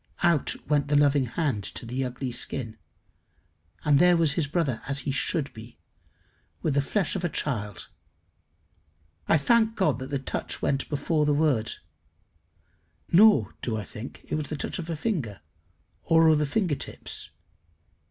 Out went the loving hand to the ugly skin, and there was his brother as he should be with the flesh of a child. I thank God that the touch went before the word. Nor do I think it was the touch of a finger, or of the finger tips.